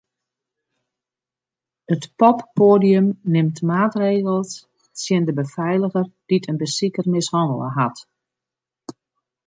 It poppoadium nimt maatregels tsjin de befeiliger dy't in besiker mishannele hat.